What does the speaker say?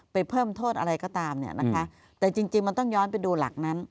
ไปเพิ่มโทษอะไรก็ตามแต่จริงมันต้องย้อนไปดูหลักนั้น